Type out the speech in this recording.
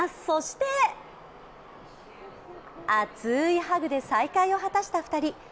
そして熱いハグで、再会を果たした二人。